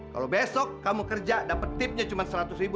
kalau besok kamu kerja dapet tipsnya cuma seratus ribu